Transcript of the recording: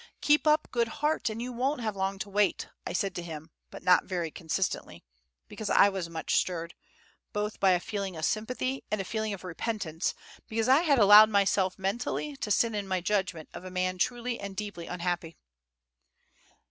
Keep up good heart, you won't have long to wait," I said to him, but not very consistently, because I was much stirred both by a feeling of sympathy and a feeling of repentance, because I had allowed myself mentally to sin in my judgment of a man truly and deeply unhappy.